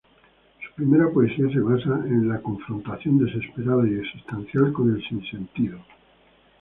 Su primera poesía se basa en la confrontación desesperada y existencial con el sinsentido.